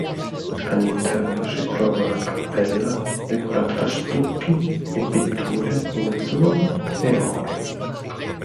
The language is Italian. All'interno si trova la cappella, decorata da stucchi e pitture in azzurro e oro.